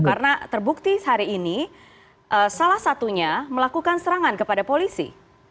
karena terbukti hari ini salah satunya melakukan serangan kepada polisi